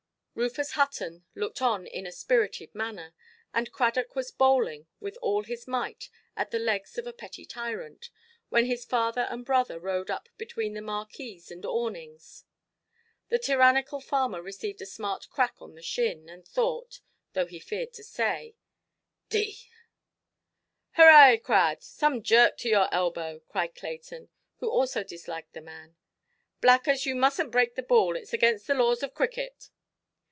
Rufus Hutton looked on in a spirited manner, and Cradock was bowling with all his might at the legs of a petty tyrant, when his father and brother rode up between the marquees and awnings. The tyrannical farmer received a smart crack on the shin, and thought (though he feared to say) "d—n". "Hurrah, Crad! more jerk to your elbow"! cried Clayton, who also disliked the man; "Blackers, you mustnʼt break the ball, itʼs against the laws of cricket".